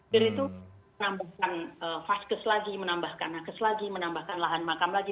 bir itu menambahkan vaskes lagi menambahkan nakes lagi menambahkan lahan makam lagi